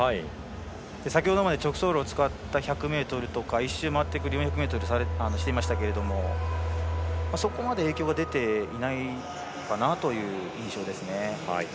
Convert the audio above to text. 先ほどまで直走路を使った１００ｍとか１周回ってくる４００ｍをしていましたけれどもそこまで影響が出ていないかなという印象です。